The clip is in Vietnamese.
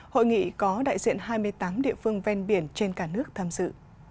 hội nghị có đại diện hai mươi tám địa phương ven biển trên cả nước tham dự